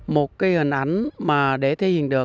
một hình ảnh để thể hiện được